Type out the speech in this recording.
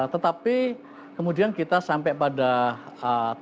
tetapi kemudian kita sampai pada titik tempat